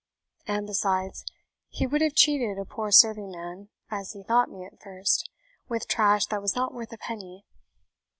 And besides, he would have cheated a poor serving man, as he thought me at first, with trash that was not worth a penny.